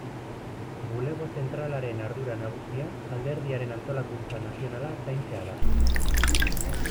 Bulego Zentralaren ardura nagusia alderdiaren antolakuntza nazionala zaintzea da.